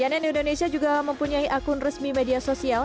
cnn indonesia juga mempunyai akun resmi media sosial